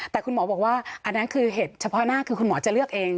แต่คุณหมอบอกว่าอันนั้นคือเหตุเฉพาะหน้าคือคุณหมอจะเลือกเอง